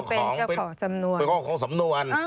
ก็คือเป็นเจ้าของสำนวน